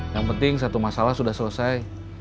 yang penting satu masalah sudah selesai